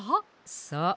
そう。